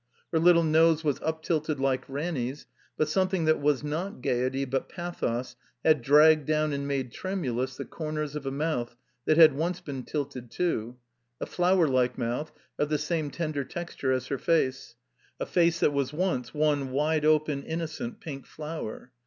Her little nose was uptilted Uke Ranny's; but some thing that was not gaiety, but pathos, had dragged down and made tremtdous the comers of a mtouth that had once been tilted too — a, flowerlike mouth, of the same tender texture as her face, a face that was once one wide open, innocent pink flower.